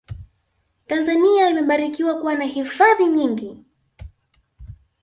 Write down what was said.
tanzania imebarikiwa kuwa na hifadhi nyingi